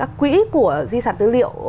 các quỹ của di sản thư liệu